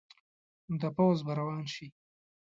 د پوځ به روان شي.